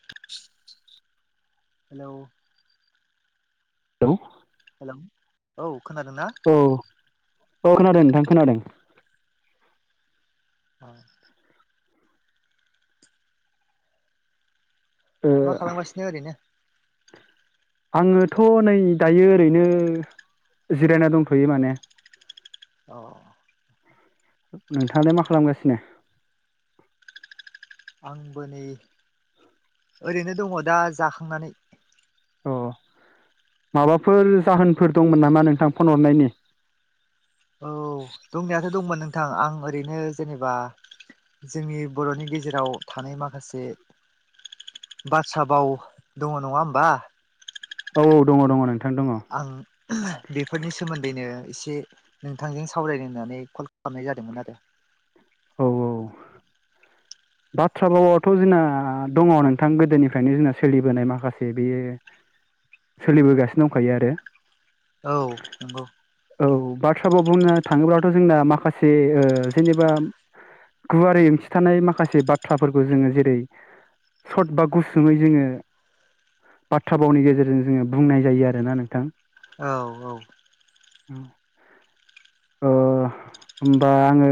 [inaudible] Hello hello hello औ खोनादोंना? औ औ खोनादों नोंथां खोनादों। औ ओ मा खालामगासिनो ओरैनो आङोथ' नै दायो ओरैनो जिरायना दंथ'यो माने औ नोंथाङा दे मा खालामगासिनो आंबो नै ओरैनो दङ दा जाखांनानै अ माबाफोर जाहोनफोर दंमोन नामा नोंथां फन हरनायनि औ दंनायाथ' दंमोन नोंथां आं ओरैनो जेनेबा जोंनि बर'नि गेजेराव थानाय माखासे बात्रा बाव दङ नङा होमबा औ औ दङ दङ नों आं बेफोरनि सोमोन्दै दैनो एसे नोंथांजों सावरायनो होननानै कल खालामनाय जादोंमोन आरो औ औ बाथ्रा भावाथ' जोंना दङ नोंथां गोदोनिफ्रायनो जोंना सोलिबोनाय माखासे बेयो सोलिबोगासिनो दंखायो आरो औ नंगौ औ बाथ्रा भाव बुंनो थाङोब्लाथ' जोंना माखासे ओ जेनेबा गुवारै ओंथि थानाय माखा माखासे बाथ्राफोरखौ जोङो जेरै सर्ट बा गुसुमै जोङो बाथ्रा भावनि गेजेरजों जोङो बुंनाय जायो आरोना नोंथां औ औ ओ होमबा आङो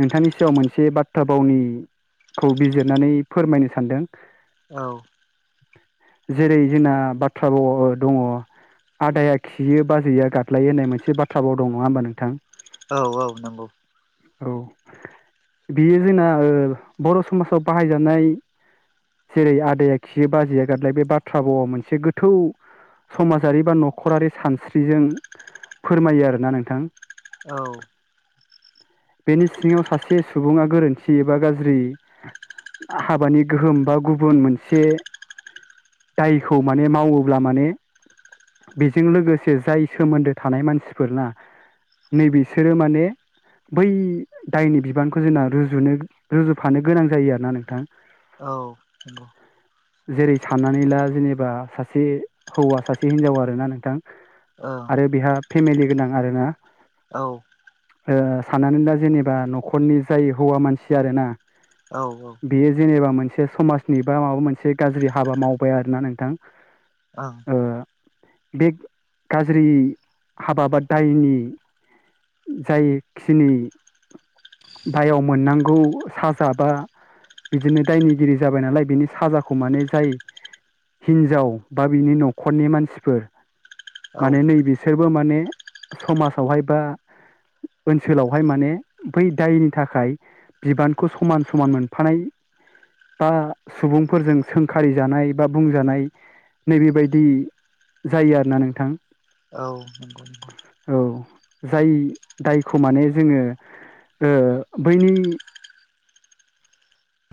नोंथांनि सायाव मोनसे बाथ्रा भावनिखौ बिजिरनानै फोरमायनो सानदों औ जेरै जोंना बाथ्रा भाव आव दङ आदाया खियो बा जैया गाल्दायो होननाय मोनसे बाथ्राबाव दं नङा होमबा नोंथां औ औ नंगौ औ बियो जोंना ओ बर' समाजाव बाहायजानाय जेरै आदाया खियो बाजैया गादलायो बे बाथ्रा बावा मोनसे गोथौ समाजारि बा न'खरारि सानस्रिजों फोरमायो आरोना नोंथां औ बेनि सिङाव सासे सुबुङा गोरोन्थि बा गाज्रि हाबानि गोहोम बा गुबुन मोनसे दायखौ माने मावोब्ला माने बेजों लोगोसे जाय सोमोन्दो थानाय मानसिफोरना नै बिसोरो माने बै दायनि बिबानखौ जोंना रुजु रुजुनो रुजुफानो गोनां जायो आरो ना नोंथां। अ जेरै साननानै ला जेनेबा सासे हौवा सासे हिनजाव आरोना नोंथां औ आरो बेहा फेमिलि गोनां आरोना औ ओ साननानै दा जेनेबा न'खरनि जाय हौवा मानसि आरोना औ ओं बेयो जेनेबा मोनसे समाजनि बा माबा मोनसे गाज्रि हाबा मावबाय आरोना नोंथां औ ओ बे गाज्रि हाबा बा दायनि जायखिनि दायाव मोननांगौ साजाबा बिदिनो दायनिगिरि जाबाय नालाय बिनि साजाखौ माने जाय हिनजाव बा बिनि न'खरनि मानसिफोर औ माने नै बिसोरबो माने समाजावहाय बा ओनसोलावहाय माने बै दायनि नि थाखाय बिबानखौ समान समान मोनफानाय बा सुबुंफोरजों सोंखारि जानाय बा बुंजानाय नैबेबायदि जायो आरोना नोंथां औ नंगौ नंगौ औ जाय दायखौ माने जोङो ओ बैनि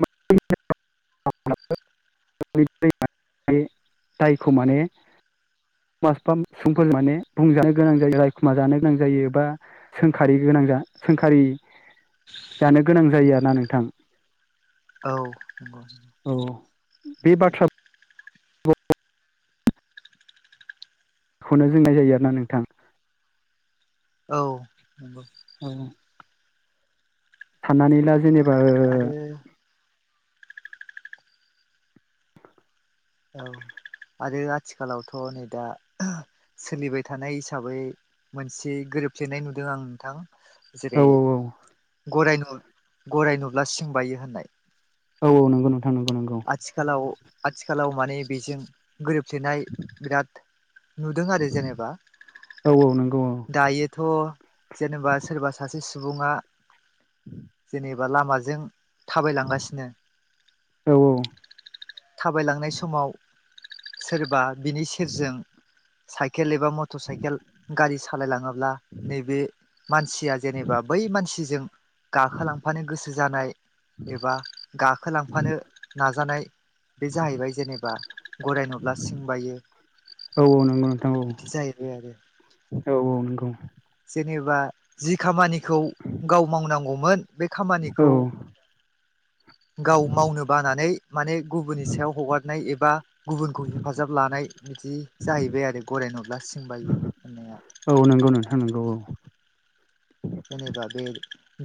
[unintelligible] [unintelligible] दायखौ माने [unintelligible] बुंजानो गोनां जायो रायखुमा जानो गोनां जायो एबा सोंखारि गोनां सोंखारि जानो गोनां जायो आरोना नोंथां औ नंगौ औ बे बाथ्रा खौनो जोंनाय जायो आरोना नोंथां औ नंगौ औ साननानै ला जेनेबा ओ आरो औ आरो आथिखालावथ नै दा सोलिबाय थानाय हिसाबै मोनसे गोरोबफ्लेनाय नुदों आं नोंथां औ जेरै गरायनु गराय नुब्ला सिं बायो होननायश् औ औ नंगौ नोंथां नंगौ नंगौ आथिखालाव आथिखालाव माने बेजों गोरोबफलेनाय बिराद नुदों आरो जेनेबा औ औ नंगौ औ दायोथ जेनेबा सोरबा सासे सु- सुबुङा जेनेबा लामाजों थाबायलांगासिनो औ थाबायलांनाय समाव सोरबा बिनि सेरजों साइकेल गेलेबा मटर साइकेल गारि सालायलाङो ला नैबे मानसिया जेनेबा बै मानसिजों गाखोलांफानो गोसो जानाय एबा गाखोलांफानो नाजानाय बे जाहैबाय जेनेबा गराय नुब्ला सिं बायो औ औ नंगौ नोंथां औ बिदि जाहैबाय आरो जे औ औ नंगौ जेनेबा जि खामानिखौ गाव मावनांगौमोन बे औ खामानिखौ गाव मावनो बानानै माने गुबुननि सायाव हगारनाय एबा गुबुनखौ हेफाजाब लानाय बिदि जाहैबाय आरो गराय नुब्ला सिं बायो होननाया औ नंगौ नोंथां नोंगौ औ जेनेबा बे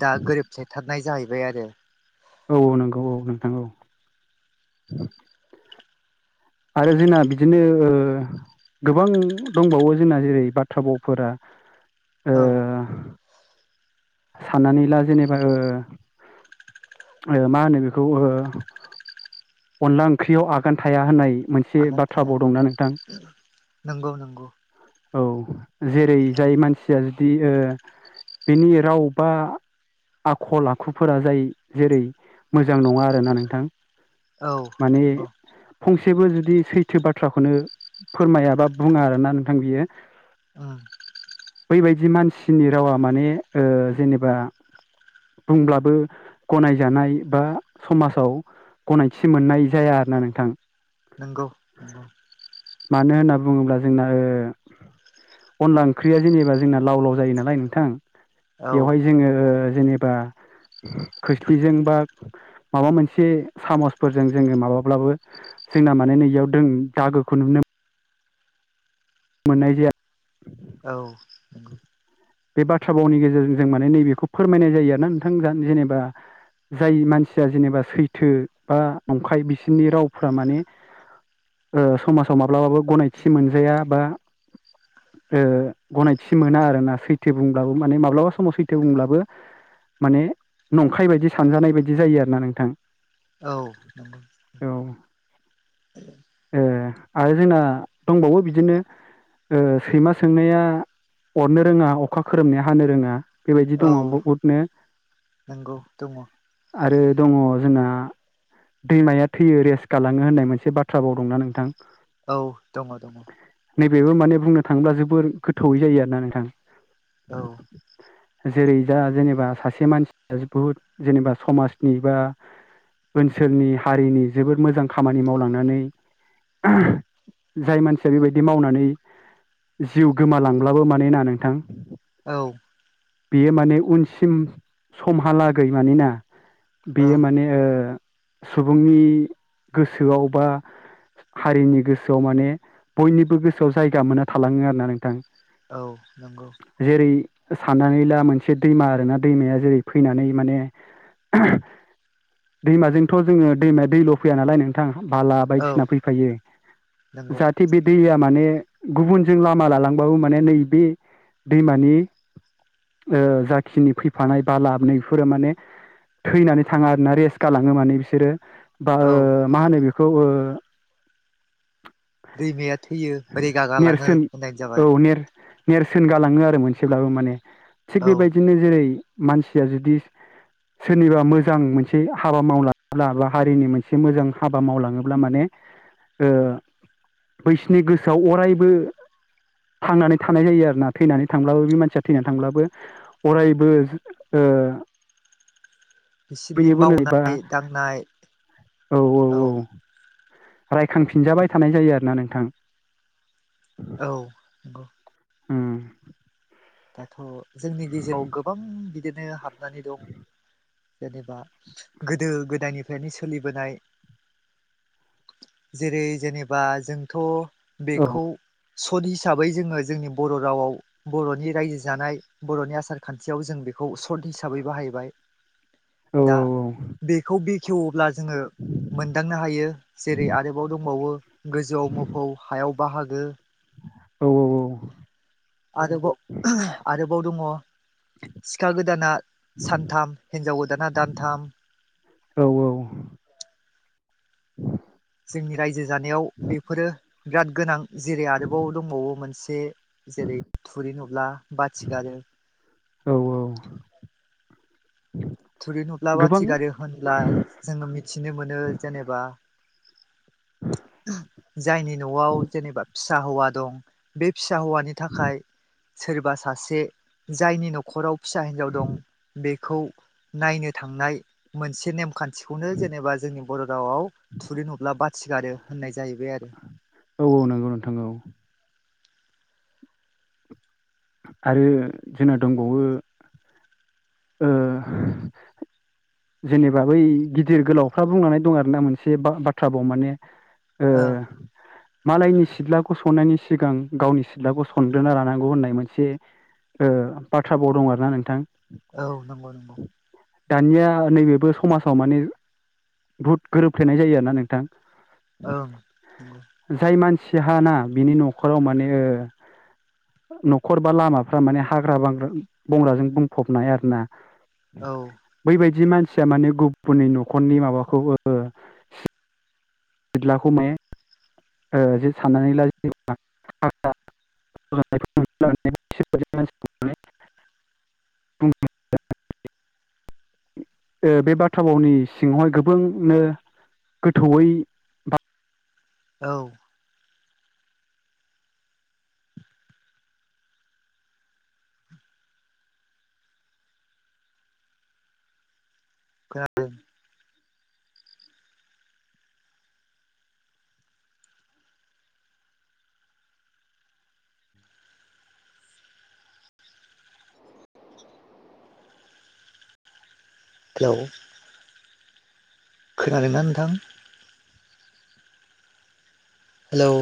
दा गोरोबफलेथारनाय जाहैबाय आरो औ औ नंगौ औ नोंथां औ आरो जोंना बिदिनो ओ गोबां दंबावो जोंना जेरै बाथ्रा बावफोरा औ साननानै ला जेनेबा ओ मा होनो बेखौ ओ अनला ओंख्रियाव आगान थाया होननाय मोनसे आगान बाथ्रा थाया भाव दंना नोंथां नंगौ नंगौ औ जेरै जाय मानसिया जुदि ओ बिनि राव बा आखल आखुफोरा जाय जेरै मोजां नङा आरोना नोंथां औ नंगौ एसेबो जुदि सैथो बाथ्राखौनो फोरमायाबा बुङा आरोना नोंथां बियो उम बैबायदि मानसिनि रावा माने ओ जेनेबा बुंब्लाबो गनायजानाय बा समाजाव गनायथि मोननाय जाया आरोना नोंथां नोंगौ ओं मानो होनना बुङोब्ला जोंना ओ अनला ओंख्रिया जेनेबा जोंना लाव लाव जायो नालाय नोंथां औ बेवहाय जोङो जेनेबा खोस्लिजों बा माबा मोनसे सामसफोरजों जोङो माबाब्लाबो जोंना माने नैयाव दों दागोखौ नुनो मोननाय जाया औ नंगौ बे बाथ्रा भावनि गेजेरजों जों माने नैबेखौ फोरमायनाय जायो आरोना नोंथां जेनेबा जाय मानसिया जेनेबा सैथो बा नंखाय बिसोरनि रावफोरा माने ओ समासाव माब्लाबाबो गनायथि मोनजाया बा ओ गनायथि मोना आरोना सैथ सैथो बुंब्लाबो माने माब्लाबा समाव सैथो बुंब्लाबो माने नंखाय बायदि सानजानाय बायदि जायो आरोना नोंथां औ नंगौ ए आरो जोंना दंबावो बिदिनो ओ सैमा सोंनाया अरनो रोङा अखा खोरोमनाय हानो रोङा बेबायदि औ दङ बहुदनो नंगौ दङ आरो दङ जोंना दैमाया थैयो रेस्ट गालाङो होननाय मोनसे बाथ्रा भाव दंना नोंथां औ दङ दङ नैबेबो माने बुंनो थाङोब्ला जोबोर गोथौवै जायो आरोना नोंथां औ जेरै दा जेनेबा सासे मानसिया बुहुद जेनेबा समासनि बा ओनसोलनि हारिनि जोबोद मोजां खामानि मावलांनानै जाय मानसिया बेबायदि मावनानै जिउ गोमालांब्लाबो माने ना नोंथां औ बेयो माने उनसिम समहालागै मानिना ओं बेयो माने ओ सुबुंनि गोसोआव बा हारिनि गोसोआव माने बयनिबो गोसोआव जायगा मोनना थालाङो आरो ना नोंथां औ नंगौ जेरै साननानै ला मोनसे दैमा आरोना दैमाया जेरै फैनानै माने दैमाजोंथ जोङो दैमाया दैल फैया नालाय नोंथां बाला औ बायदिसिना फैफायो नंगौ जाहाथे बे दैया माने गुबुनजों लामा लालांबाबो माने नैबे दैमानि ओ जाखिनि फैफानाय बा लाबनाय बेफोरो माने थैनानै थाङा आरोना रेस्ट गालाङो माने बिसोरो बा ओ औ मा होनो बेखौ ओ दैमाया थैयो रेगा गालाङो नेरसोन होननायानो औ जाबाय नेर नेरसोन गालाङो आरो मोनसेब्लाबो माने थिग औ बेबायदिनो जेरै मानसिया जुदि सोरनिबा मोजां मोनसे हाबा मावलाङोब्ला बा हारिनि मोनसे मोजां हाबा मावलाङोब्ला माने ओ बैसोनि गोसोआव अरायबो थांनानै थानाय जायो आरोना थैनानै थांब्लाबो बे मानसिया थैनानै थांब्लाबो अरायबो [inaudible] बिसिनि बयनिबो नैबा मावनाय- दांनाय औ रायखांफिनजाबाय थानाय जायो आरोना नोंथां औ उम दाथ' जोंनि गेजेराव गोबां बिदिनो हाबनानै दं जेनेबा गोदो - गोदायनिफ्रायनो सोलिबोनाय जेरै जेनेबा जोंथ' औ बेखौ सद हिसाबै जोङो जोंनि बर' रावाव बर'नि रायजो जानाय बर'नि आसार - खान्थियाव जों बेखौ हिसाबै बाहायबाय औ दा बेखौ बेखेवोब्ला जोङो मोनदांनो हायो जेरै आरोबाव दंबावो गोजौआव मोफौ हायाव बाहागो औ - औ - औ आरोबाव आरोबाव दङ सिखा गोदाना सानथाम हिनजाव गोदाना दानथाम औ -औ [inaudible] जोंनि रायजो जानायाव बेफोरो बिराद गोनां जेरै आरोबाव दंबावो मोनसे जेरै थुरि नुब्ला बाथि गारो औ - औ थुरि नुब्ला गोबां बाथि गारो होनब्ला जोङो मिथिनो मोनो जेनेबा जायनि न'आव जेनेबा फिसा हौवा दं बे फिसा हौवानि थाखाय सोरबा सासे जायनि न'खराव फिसा हिनजाव दं बेखौ नायनो थांनाय मोनसे नेम खान्थिखौनो जेनेबा जोंनि बर' रावाव थुरि नु ब्ला बाथिगारो होननाय जाहैबाय आरो औ नंगौ नोंथां औ आरो जोंना दंबावो ओ जेनेबा बै गिदिर गोलावफ्रा बुंनानै दं आरोना मोनसे बाथ्राबाव माने ओ [inaudible] मालायनि सिथ्लाखौ सननायनि सिगां गावनि सिथ्लाखौ सनग्रोना लानांगौ होननाय मोनसे ओ बाथ्राभाव दं आरोना नोंथां औ नंगौ नंगौ दानिया नैबेबो समाजाव माने बुहुद गोरोबफ्लेनाय जायो आरोना नोंथां ओं नंगौ सिहा ना बिनि न'खराव माने न'खर बा लामाफ्रा माने हाग्रा - बंग्राजों बुंफबनाय आरो ना औ जि मानसिया माने गुबुननि न'खरनि माबाखौ ओ बिदलाखौ माय जे साननानै ला [inaudible] [unintelligible] [inaudible] ओ बे बाथ्रा भावनि सिङावहाय गोबांनो गोथौयै औ खोनादों दाव [inaudible] खोनादों ना नोंथां हेलौ